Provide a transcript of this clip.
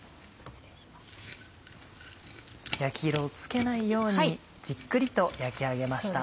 焼き色をつけないようにじっくりと焼き上げました。